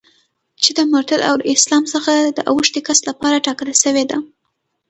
چي د مرتد او له اسلام څخه د اوښتي کس لپاره ټاکله سوې ده.